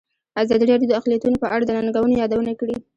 ازادي راډیو د اقلیتونه په اړه د ننګونو یادونه کړې.